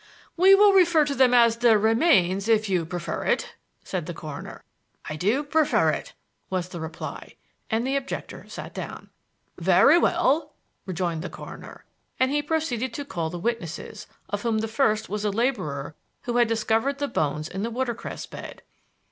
"We will refer to them as the remains, if you prefer it," said the coroner. "I do prefer it," was the reply, and the objector sat down. "Very well," rejoined the coroner, and he proceeded to call the witnesses, of whom the first was a laborer who had discovered the bones in the watercress bed.